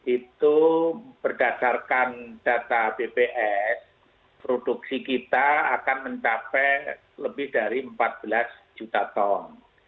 itu berdasarkan data bps produksi kita akan mencapai lebih dari empat belas juta ton